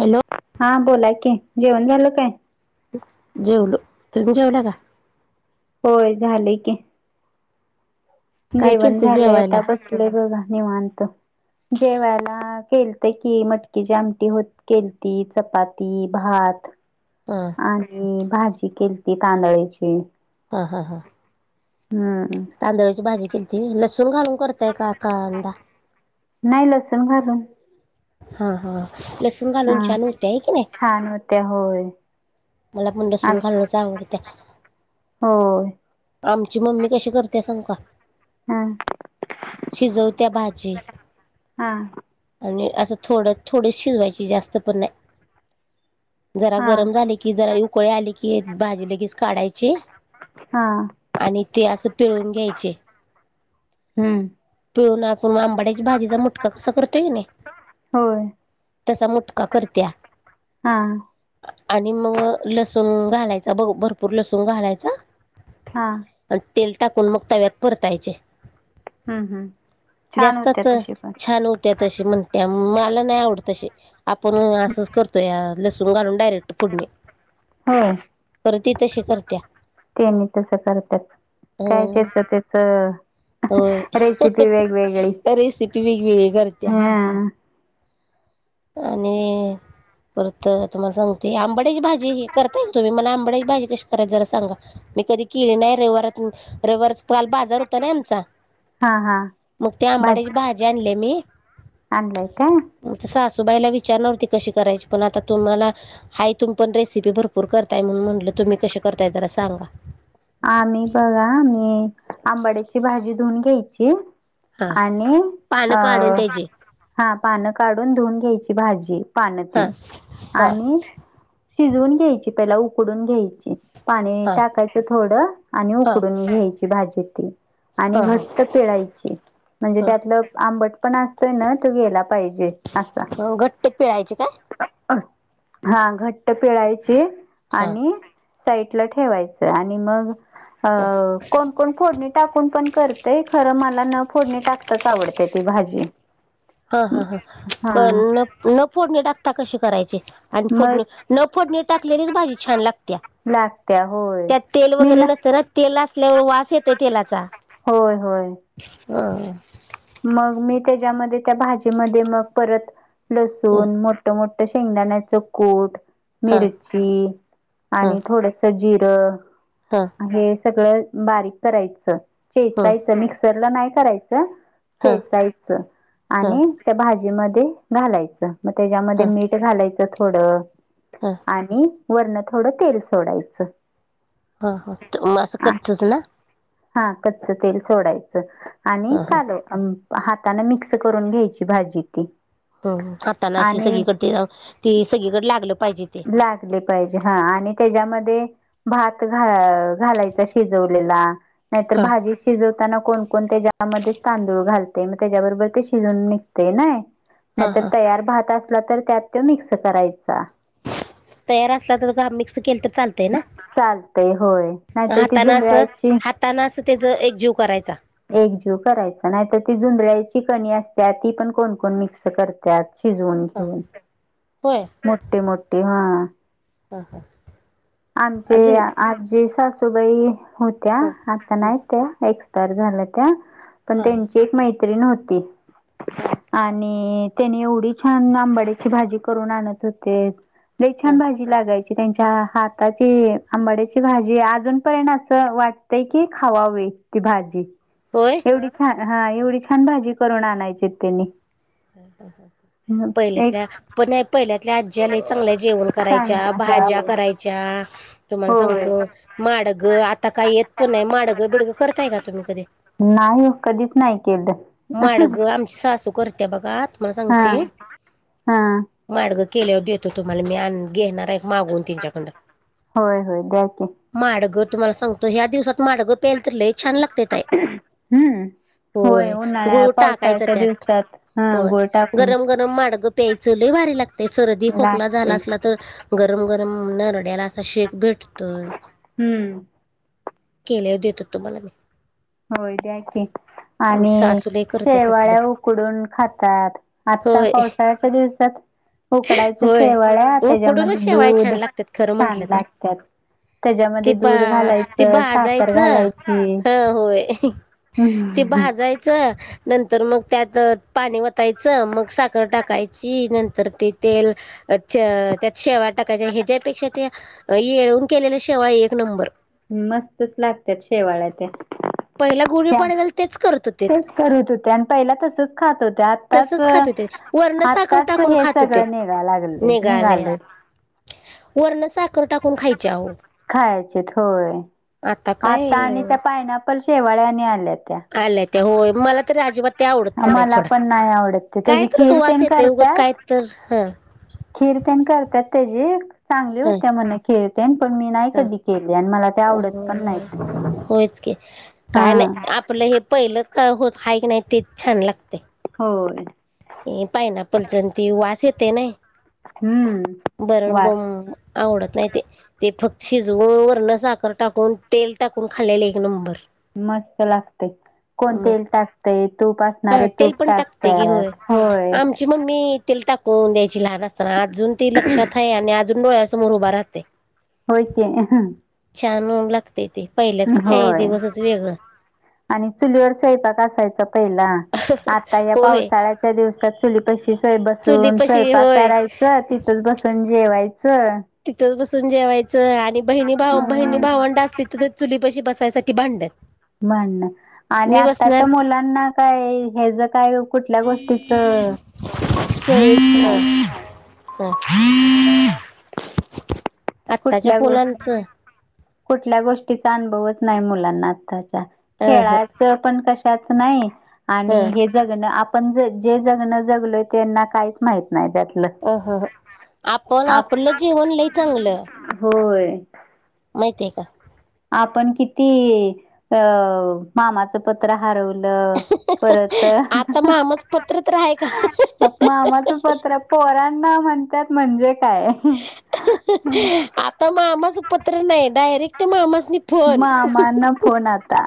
Hello [inaudible] हा बोला की जेवण झाल काय? जेवलो तुम्ही, जेवला का? होय झाले की. काय जेवण केलत झालेय जेवायला आता बसले बघा निवांत. जेवायला केलत कि मटकीची आमटी होती केलती चपाती, भात हं.. आणि भाजी केली त तांदळाची. हा हा हा. हा.. तांदळाची भाजी कसली लसूण घालून करताय का कांदा? नाही लसण घालून. हा हा लसूण घालून छान होते आहे की नाही. त्यामुळे होय. मला पण लसून अस घालुणच आवडत्या. होय. आमची मम्मी कशी करते सगु का. हा शिजवत्या भाजी हा आणि असं थोडं, थोडं शिजवायची जास्त पण नाही. जरा हा गरम झाले की जरा उकळे आले की भाजी लगेच काढायची. हा.. आणि ते असं पिळून घ्यायचे. हम्म पिळुन आपण आंबड्याची भाजीचा मुटका कसा करतोय नी. होय. तसा मुटका करतया. हा.. आणि मग लसूण घालायचा भरपूर लसूण घालायचा. हां. आणि तेल टाकून मग तव्यात परतायचे. हम्म छान होत्या जास्तच तशी पण छान त्या तशी म्हणत्या मला नाही आवडत तशी आपण असंच करतो या लसून घालून डायरेक्ट फोडणी होय पर ती तशी करतीया. सेम तसं करत्यात. काय अं, ज्याच होय त्याच रेसिपी वेगवेगळी. वेगवेगळे करत्या. हा आणि परत तुम्हाला सांगते आंबड्याची भाजी हे करताय का तुम्ही मला आंबड्याची भाजी कशी करायच जरा सांगा? मी कधी केले नाही रविवारात रविवारच काल बाजार होता नाही आमचा. हा हा मग ते आंबाड्याचे भाजी आणलीया मी. आणलाय काय तसं सासूबाईला विचारणार होती कशी करायची पण आता तुम्हाला हाय तुम्ही पण रेसिपी भरपूर भरपूर करताय म्हणून म्हटलं तुम्ही कसे करताय जरा सांगा. आम्ही बघा मी आंबाड्याची भाजी धुवुन घ्यायची. हां आणि पानं अ.. काढून त्याची हा पान काढून धुवून घ्यायची भाजी पान हां ती हां आणि शिजवून घ्यायची त्याला उकडून घ्यायची पाणी हां टाकाय थोड आणि हां उकडून घ्यायची भाजीती आणि हां हां घट पिळायची म्हणजे हां त्यातलं आंबट पण असतोय ना तो घ्यायला पाहिजे. अ घट्ट पिळायचे काय? आ ह, हा घट्ट पिळायची, हां आणि, साईडला ठेवाय आणि मग, अ कोण कोण फोडणी टाकून पण करतय खरं मला न फोडणी टाकताच आवडात्या ती भाजी. हा हा हा, क हा न न फोडणे टाकता कशी करायची? आणि मग फोडनी, न फोडणी टाकलेलीच भाजी छान लागत्या. लागत्या होय त्यात तेल मी वगैरे ना नसत न तेल असल्यावर वास येतय तेलाचा. होय होय हा. मग मी त्याच्यामध्ये त्या भाजीमध्ये मग परत, हां लसूण मोठ मोठ त शेंगदाण्याचं कूट, हां मिरची आणि थोडस जिरं. त. हे सगळं बारीक करायचं हां चेचायचं मिक्सरला नाही करायचं. हां चेचायचं, हां आणि त्या भाजीमध्ये घालायचं. म त्याच्यामध्ये हां मीठ घालायचं थोडं, आणि वरण थोडं तेल सोडायचं. हा हा म असं आ- कच्चच ना? हा कच्च तेल सोडायचं आणि हा हा काल आम हातानं मिक्स करून घ्यायची भाजी ती. हम्म खाताना अशी आणि सगळीकड तीय, ती सगळीकड लागलं पाहिजे. ते लागल पाहिजे हा आणि त्याच्यामध्ये भात घा- घालायचा शिजवलेला, नाहीतर हा भाजी शिजवताना कोणकोण त्याज्यामध्ये तांदूळ घालतंय म त्याच्याबरोबर ते शिजून निघतय नई. हा नाहीतर हा तयार भात असला तर त्यात त्यो मिक्स करायचा. तयार असला तर का मिक्स केलं तर चाल चालतंय होय नाहीतर ती जुंधल्याची तान अस त्याज एक जीव करायचा. एकजीव करायच नाही तर ती जुधळ्याची कणी असत्या ती पण कोणकोण मिक्स कर त्यात शिजवून हा घेऊन, होय मोठे मोठे हां हा हा आमचे अजून आजी सासूबाई होत्या हा आता हम्म नाही त्या एक्सपायर झाल्या त्या पण हा त्यांची एक मैत्रीण होती. हा. आणि त्यानी एवढी छान आंबड्याची भाजी करून आणत होते त, लई छान हा भाजी ती लागायची त्यांच्या हाताची आंबाड्याची भाजी अजून पर्यंत असं वाट तय की खावावे ती भाजी. होय. एवढी छान हा एवढी छान भाजी करून आणायचीत तेनी. हा हा हा पहिले त्या पणये पहिल्यातल्या आज्या लई चांगलं जेवण चांगली करायच्या भाज्या होय करायच्या. तुम्हाला होय सांगतो, माडगं आता काही येत पण नाही माडगं बिडगं करताय का तुम्ही कधी? नाही ओ कधीच नाही केलं. माडगं आमची सासू करत्या बघा तुम्हाला हा सांगते हा माडगं केल्यावर देतो तुम्हाला मी आणून घेणार आहेत मागून. त्यांच्याकडं [unintelligible] होय होय द्या की. माडगं तुम्हाला सांगतो ह्या दिवसात माडगं प्यायला तर लई छान लागतय ताई. हम्म. होय उन्हाळ्या गुळ टाकायचा पावसाळ्याच्या त्यात. दिवसात हा होय गुळ टाकून गरम गरम माडग प्यायच. लई भारी लागतय. सर्दी खोकला झाला लागते. असला तर गरम गरम नरड्याला असा शेक भेटतोय. हम्म केल्याव देतो तुम्हाला मी. होय ते आहे की. आमची आणि सासू लय करत्यात तसलं शेवाळ्या उकडून खातात. आत्ता होय पावसाळ्याच्या दिवसात उकडायच्या होय शेवाळ्या. उकडूनच त्याच्यामध्ये शेवाळ्या दूध छान लागतात खरं छान म्हंटलं तर लागत्यात‌. त्याच्यामध्ये ते बा दूध घालायच. ते साखर भाजायचं घालायची. ह होय ते हम्म. भाजायच. नंतर मग त्यात अ पाणी वतायच. मग साखर टाकायची. नंतर ते तेल अ च त्यात शेवया टाकायच्या. ह्याच्यापेक्षा ते येळून केलेल्या शेवाळ्या एक नंबर मस्तच लागत्यात शेवाळ्या त्या. पहिला गुढी त्या पाडव्याला तेच करत होते तेच करित होत्या. अन पहिला तसच खात होत्या. आत तसच खात होते आताच वरण साखर आताच टाकून हे खात होते सगळ निघा लागलय. निघालया निघालय वरण साखर टाकून खायची आहो. खायाचेत होय. आता काय आणि त्या पायनॅपल शेवाळ्या आणि आल्या त्या. आल्या त्या होय. मला तरी अजिबात त्या आवडत पण नाहीत मला सोडा. नाही आवडत ते काय त्याची कराच खीर वास येतय उगच काय तर ह खिरतेन करत्यात तेजी. चांगली होत्या म्हण खिरतेन. पण मी नाही ह अ कधी केली आणि मला ते आवडत पण नाहीत होयच की काय नाही हां आप आपल हे पहिलच का होत आहे की नाही, तेच छान लागतय. होय. पायनपलचा ते वास येते ना. हम्म बर ब वास आवडत नाही ते. ते फक्त शिजवुन वरन साखर टाकून तेल टाकून खाल्लेले एक नंबर. मस्त लागतय. कोण मग तेल टाक तय. तूप हा असणारे तेल तूप पण टाकते की टाकतात. होय होय आमची मम्मी तेल टाकून द्यायची लहान असताना. अजून ते लक्षात आहे. आणि अजून डोळसमोर उभा राहतय. होय की छान होऊन लागतेय ते. पहिल्याच काय होय दिवसच वेगळ. आणि चुलीवर स्वयपाक असायचा पहिला. आता या होय पावसाळ्याच्या दिवसात चुलीपशी सय चुली बसून पशी स्वयंपाक होय करायच तिथ तर बसून जेवायच. तिथच बसून जेवायच. आणि बहिणी भाऊ बहिणी हम्म, भावंड असली तर चुली पाशी बसायसाठी भांडण. भांडण आणि मी बसणार आत्ताच्या मुलांना काय हे ज काय कुठल्या गोष्टीच सोयच नाही. ह [unintelligible] आत्ताच्या कुठल्या गो पोलांचं कुठल्या गोष्टीचा अनुभवच नाही मुलांना आताच्या. अ ह खेळाच पण कशाच नाही. आणि ह हे जगण आपण ज जे जगण जगलोय त्यांना काहीच माहित नाही त्यात. अहह आपण आपल जेवण लई चांगल. होय. माहिती आहे का. आपण किती अ मामाचं पत्र हरवलं. परत आता मामाच पत्र तर आहे का मामा पत्र. पोरांना म्हणतात म्हणजे काय. ह [inaudible] आता मामाचं पत्र नाही डायरेक्ट मामासनी फोन. [inaudible] मामांना फोन आता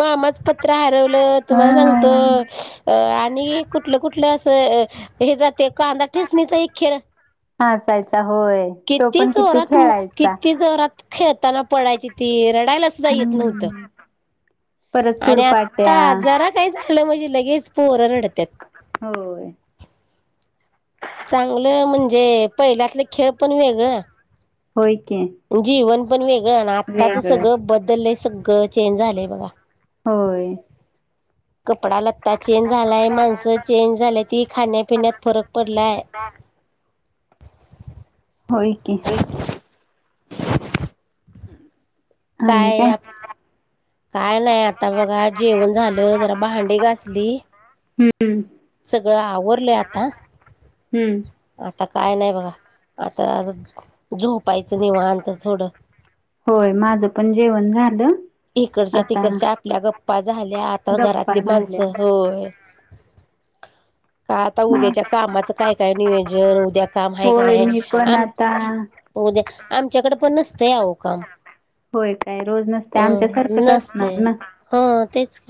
मामाचं पत्र हरवलं तुम्हाला सांगतो हम्म आणि कुठ''--'' कुठलं कुठलं असं हे जाते कांदा ठेचणीचा एक खेळ. असायचा होय. तो किती पण जोरात म खेळायचा किती जोरात खेळताना पडायची ती रडायलाच. परत आणि सुरपाट्या. आता जरा काय झालं म्हणजे लगेच पोहरं रडतात. होय. चांगलं म्हणजे पहिल्यातले खेळ पण वेगळं. होय की. जीवन पण वेगळं आणि आत्ताच वेगळं सगळं बदललंय सगळं चेंज झालंय बघा. होय. कपडा लत्ता चेंज झालाय माणसं. चेंज झालंय ती खाण्यापिण्यात फरक पडलाय. होय की. [inaudible] हम्म. काय आप''--'' काय नाही आता बघा जेवण झालं जरा भांडी घासली. ''हं'' सगळं आवरले आता. हम्म. आता काय नाही बघा आता झोपायचं निवात थोडं. होय माझं पण जेवण झालं. इकडच्या आता तिकडच्या आपल्या गप्पा झाल्या आता गप्पा घरातली झाल्या माणसं होय. का आता म उद्याच्या कामाचं काय काय नियोजन उद्या काम आहे की होय नाही मी पण आता आम''--'' उद्या आमच्याकडे पण नसतं अव काम. होय काय रोज नसते अं आमच्यासारखंच असणार नसतंय ना. हा तेच.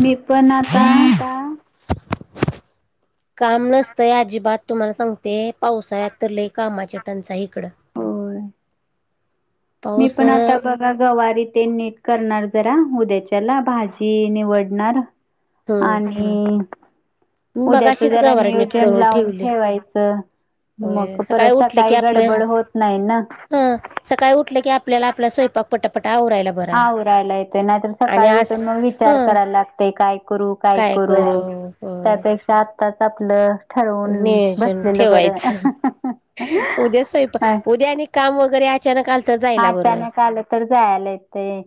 मी पण आता. काम नसतंय अजिबात तुम्हाला सांगते पावसाळ्या तर लई कामाची टंचाई इकडं. होय [inaudible] मी पण आता बघ. गवारी ते नीट करणार जरा उद्याच्याला भाजी निवडणार. हम्म आणि. उद्याच मगाशीच जरा गवार नीट नियोजन करून लावून ठेवली ठेवायचं. होय मग परत उठलं की सकाळी आपलं गडबड होत नाही ना. हं सकाळी उठले की आपल्या आपला स्वयंक पटापटा आवरायला. बरा आं ऊ राहांयला येतोय नाहींतर आणि सकाळीं आज ऊंठून मंग विचार हं करायला लागतं कायं करूं कायं काय करू करूं त्यांपेक्षा आत्ताचं आपलं ठरवून नियोजंन बसलेलं बरं ठेवायचं उद्यां स्वयंपाक उद्यां आणि कामं वगैरें अचानक आलं तरं जायलां बरं अचानक आलं तर जायला येतय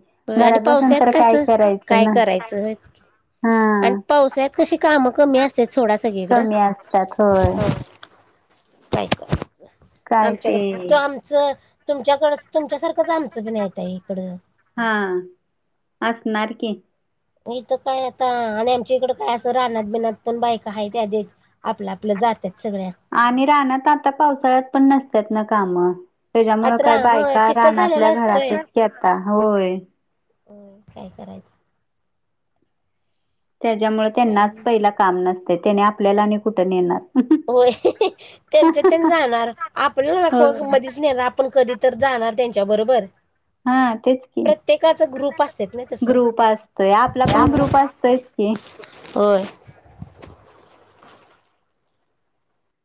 आणि घरात पाऊस बसून य तर काय कसं करायचं कायं ना करायचं हेंच की आणि हा पावसाळ्यांत कशी कामं कमी असतं थोडां सगळीकडं कमी असतात होय कायं करायचं काय ते आमच्यांक तो आंम तुमच्याकडे तुमच्यांसारखंच आमचं बी नाहीं येतं आहे इकडं हां असणारं की इथं कायं आंता आणि आमच्यां इकडं कायं असं राहनांत बिनत पणं बायका आहे त्यांधच आपलां जातांत सगळ्या आणि राणांत आंता पावसाळ्यांत पणं नसतात नां कामं त्यांच्यामुळे आत्रा कायं हा बायकां चिखल झालेला रानातल्यां घरांतच घतां होयं हो कायं करायचं त्यांच्यामुळे काय त्यांनाचं नाही. पहिला कामं नसते त्यांने आपल्यांला आणि कुंठे नेणारं होयं त्यांच्या त्यां जाणारं हो आपणं मधेच नेणारं आपणं कधीं तरं जाणारं त्यांच्याबरोबर हां तेचं की ग्रुप असतात ना तसं ग्रुप असतोय आपलां पणं ग्रुप असतोयच की होयं